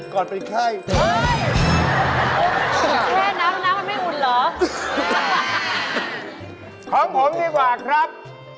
ของผมก็ได้กว่าครับ